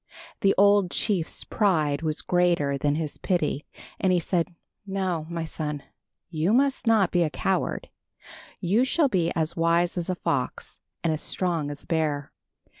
The old chiefs pride was greater than his pity and he said, "No, my son, you must not be a coward. You shall be as wise as a fox and as strong as a bear.